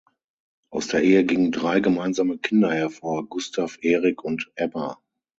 Aus der Ehe gingen drei gemeinsame Kinder hervor: Gustav, Erik und Ebba.